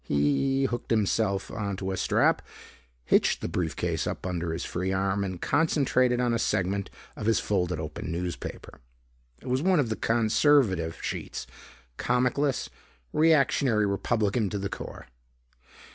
He hooked himself onto a strap, hitched the briefcase up under his free arm, and concentrated on a segment of his folded open newspaper. It was one of the conservative sheets, comic less, reactionary Republican to the core.